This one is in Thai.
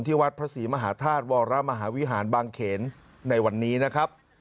วัดพระศรีมหาธาตุวรมหาวิหารบางเขนในวันนี้นะครับ